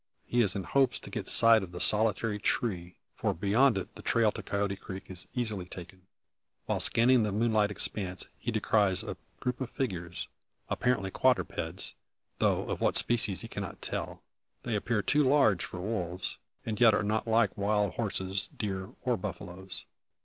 He is in hopes to get sight of the solitary tree; for beyond it the trail to Coyote Creek is easily taken. While scanning the moonlit expanse he descries a group of figures; apparently quadrupeds, though of what species he cannot tell. They appear too large for wolves, and yet are not like wild horses, deer, or buffaloes.